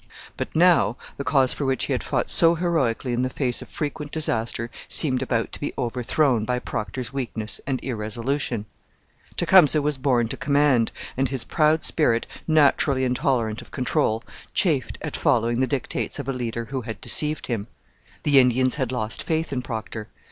But now the cause for which he had fought so heroically in the face of frequent disaster seemed about to be overthrown by Procter's weakness and irresolution. Tecumseh was born to command, and his proud spirit, naturally intolerant of control, chafed at following the dictates of a leader who had deceived him. The Indians had lost faith in Procter.